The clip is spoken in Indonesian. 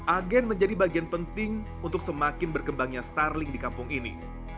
agen menjadi bagian penting untuk semakin berkembangnya starling di kampung ini